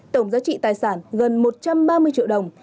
tổng giá trị tài sản gần một trăm ba mươi triệu đồng